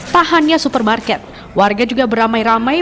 tahannya supermarket warga juga beramai ramai